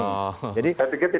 saya pikir tidak begitu